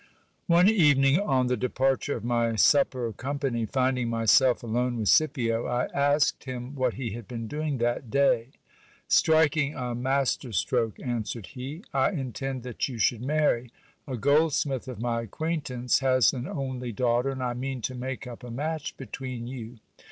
One evening, on the departure of my supper company, finding myself alone with Scipio, I asked him what he had been doing that day. Striking a master stroke, answered he. I intend that you should marry. A goldsmith of my ac quaintance has an only daughter, and I mean to make up a match between you.